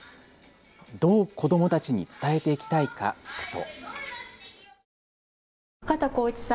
どう子どもたちに伝えていきたいか聞くと。